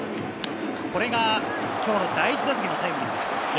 これが今日の第１打席のタイムリーです。